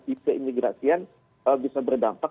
di keimigrasian bisa berdampak